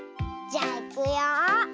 じゃあいくよ。